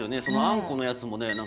そのあんこのやつもね